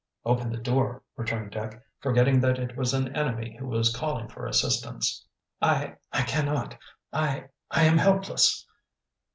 "Open the door," returned Dick, forgetting that it was an enemy who was calling for assistance. "I I cannot. I I am helpless!"